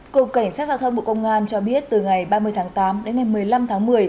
cục cảnh sát giao thông bộ công an cho biết từ ngày ba mươi tháng tám đến ngày một mươi năm tháng một mươi